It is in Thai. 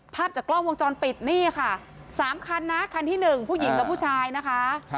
ภาพจากกล้องวงจรปิดนี่ค่ะ๓คันนะคันที่๑ผู้หญิงกับผู้ชายนะคะ